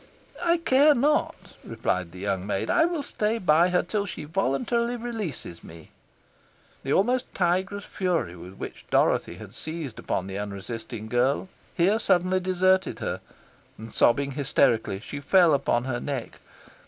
"I care not," replied the young maid. "I will stay by her till she voluntarily releases me." The almost tigress fury with which Dorothy had seized upon the unresisting girl here suddenly deserted her, and, sobbing hysterically, she fell upon her neck.